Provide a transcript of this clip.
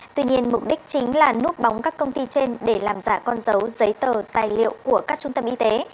tuy nhiên mục đích chính là núp bóng các công ty trên để làm giả con dấu giấy tờ tài liệu của các trung tâm y tế